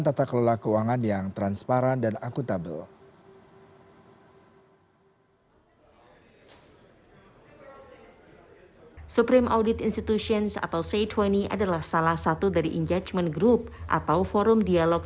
tata kelola keuangan yang transparan dan akutabel